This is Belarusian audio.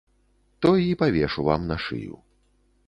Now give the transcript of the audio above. Той і павешу вам на шыю.